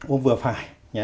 uống vừa phải